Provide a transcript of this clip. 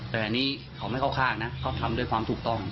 แต่อันนี้เขาไม่เข้าข้างนะเขาทำด้วยความถูกต้อง